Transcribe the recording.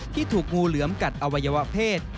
ถูกงูเหลือมกัดอวัยวะเพศ